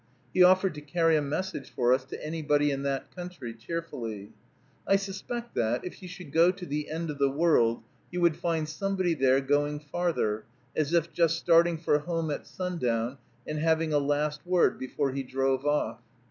He offered to carry a message for us to anybody in that country, cheerfully. I suspect that, if you should go to the end of the world, you would find somebody there going farther, as if just starting for home at sundown, and having a last word before he drove off.